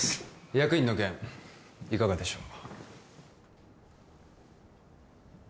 役員の件いかがでしょう？